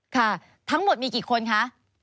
ค่ะทั้งหมดมีกี่คนคะ